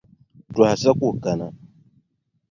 Tɔha sa ku kana.